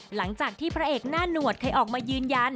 หลังจากที่พระเอกหน้าหนวดเคยออกมายืนยัน